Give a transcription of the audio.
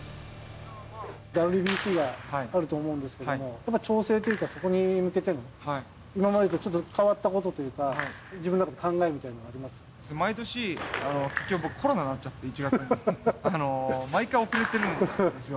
ＷＢＣがあると思うんですけれども、やっぱ調整というか、そこに向けて、今までとちょっと変わったことというか、自分の中で考えみたいの毎年、僕、コロナになっちゃって、１月に、毎回遅れてるんですよ。